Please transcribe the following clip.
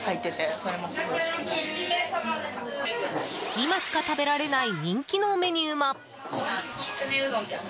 今しか食べられない人気のメニューも。